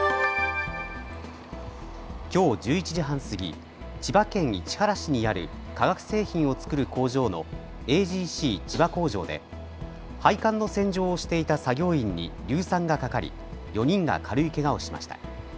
きょう１１時半過ぎ千葉県市原市にある化学製品を作る工場のＡＧＣ千葉工場で配管の洗浄をしていた作業員に硫酸がかかり４人が軽いけがをしました。